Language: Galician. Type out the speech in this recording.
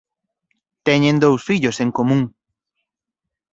Teñen dous fillos en común.